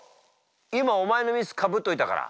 今お前のミスかぶっといたから。